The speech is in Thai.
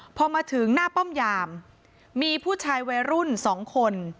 พอมาถึงหน้าป้อมยามมีผู้ชายวัยรุ่น๒คน